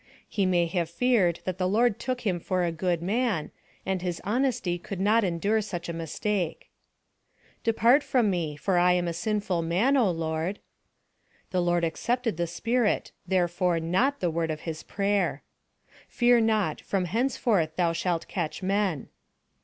He may have feared that the Lord took him for a good man, and his honesty could not endure such a mistake: "Depart from me, for I am a sinful man, O Lord." The Lord accepted the spirit, therefore not the word of his prayer. "Fear not; from henceforth thou shalt catch men."